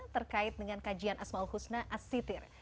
terkait dengan kajian asma'ul husna as sitir